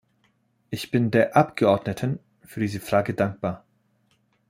Ich bin der Abgeordneten für diese Frage dankbar.